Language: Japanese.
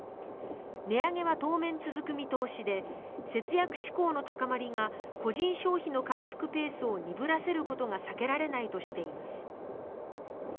値上げは当面続く見通しで節約志向の高まりが個人消費の回復ペースを鈍らせることが避けられないとしています。